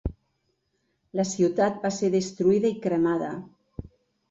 La ciutat va ser destruïda i cremada.